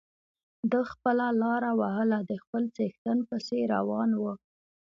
ده خپله لاره وهله د خپل څښتن پسې روان و.